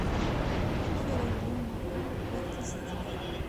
Amek ara yili umaḍal war tisednan?